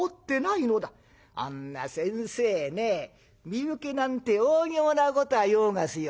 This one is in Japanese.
「あんな先生ね身請けなんておおぎょうなことはようがすよ。